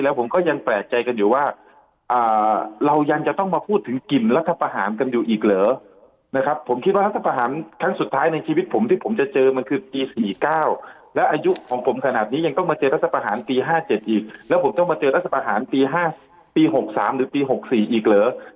แล้วรัฐประหารครั้งสุดท้ายในชีวิตผมที่ผมจะเจอมันคือปี๔๙แล้วอายุของผมขนาดนี้ยังต้องมาเจอรัฐประหารปี๕๗อีกแล้วผมต้องมาเจอรัฐประหารปี๖๓หรือปี๖๔อีกเหรอ